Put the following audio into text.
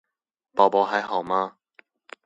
寶寶還好嗎